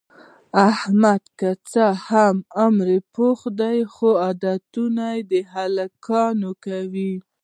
احمد که څه هم په عمر پوخ دی، خو عادتونه د هلکانو کوي.